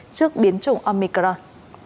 trước biến chủng omicron